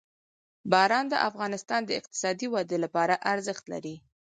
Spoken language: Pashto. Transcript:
باران د افغانستان د اقتصادي ودې لپاره ارزښت لري.